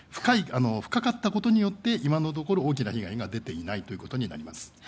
深かったことによって今のところ、大きな被害が出ていないということです。